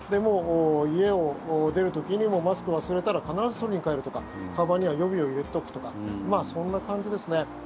家を出る時にもマスク忘れたら必ず取りに帰るとかかばんには予備を入れておくとかそんな感じですね。